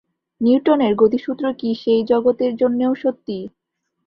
নিউটনের গতিসূত্র কি সেই জগতের জন্যেও সত্যি?